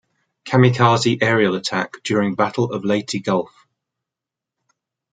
Kamikaze aerial attack during Battle of Leyte Gulf.